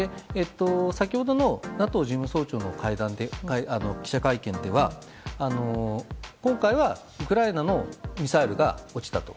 先ほどのＮＡＴＯ事務総長の記者会見では今回はウクライナのミサイルが落ちたと。